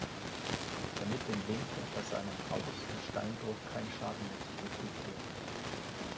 Damit dem Winkler bei seinem Haus und Steinbruch kein Schaden mehr zugefügt werde.